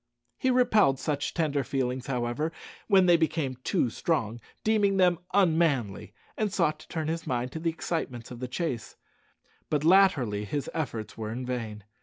He repelled such tender feelings, however, when they became too strong, deeming them unmanly, and sought to turn his mind to the excitements of the chase; but latterly his efforts were in vain.